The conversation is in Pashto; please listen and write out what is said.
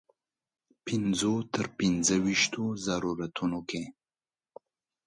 پنځو تر پنځه ویشتو ضرورتونو کې.